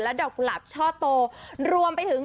ดอกกุหลับช่อโตรวมไปถึง